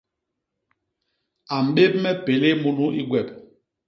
A mbép me pélé munu i gwep.